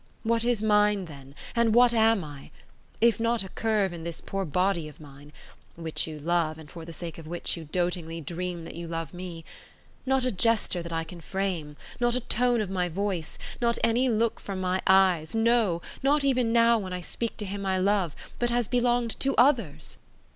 What is mine, then, and what am I? If not a curve in this poor body of mine (which you love, and for the sake of which you dotingly dream that you love me) not a gesture that I can frame, not a tone of my voice, not any look from my eyes, no, not even now when I speak to him I love, but has belonged to others?